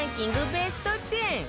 ベスト１０